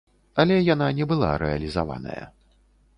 Але яна не была рэалізаваная.